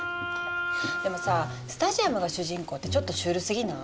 でもさぁスタジアムが主人公ってちょっとシュールすぎない？